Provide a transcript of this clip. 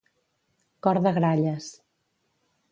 Cor de gralles.